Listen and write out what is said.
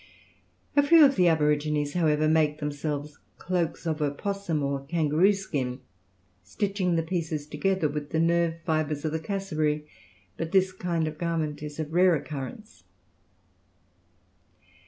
A few of the aborigines, however, make themselves cloaks of opossum or kangaroo skin, stitching the pieces together with the nerve fibres of the cassowary; but this kind of garment is of rare occurrence.